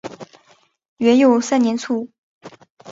元佑三年卒。